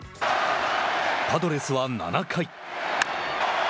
パドレスは７回。